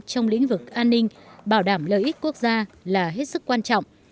trong lĩnh vực an ninh bảo đảm lợi ích quốc gia là hết sức quan trọng